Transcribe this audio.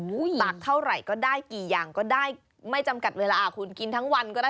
ตักเท่าไหร่ก็ได้กี่อย่างก็ได้ไม่จำกัดเวลาคุณกินทั้งวันก็ได้